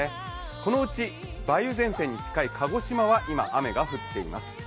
このうち梅雨前線に近い鹿児島は今雨が降っています。